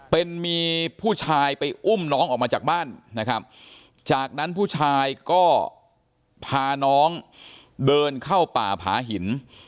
เป็นมีผู้ชายไปอุ้มน้องออกมาจากบ้านนะครับจากนั้นผู้ชายก็พาน้องเดินเข้าป่าผาหิน